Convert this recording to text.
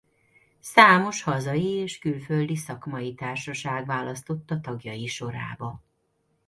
Számos hazai és külföldi szakmai társaság választotta tagjai sorába.